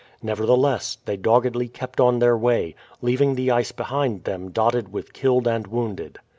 Nevertheless they doggedly kept on their way, leaving the ice behind them dotted with killed and wounded.